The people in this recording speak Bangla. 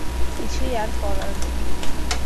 কিছুই আর করার নেই।